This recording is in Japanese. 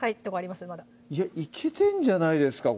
まだいやいけてんじゃないですか